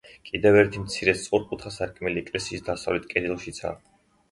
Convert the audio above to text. კიდევ ერთი მცირე სწორკუთხა სარკმელი ეკლესიის დასავლეთ კედელშიცაა.